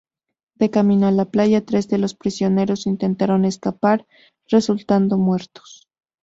De camino a la playa, tres de los prisioneros intentaron escapar, resultando muertos.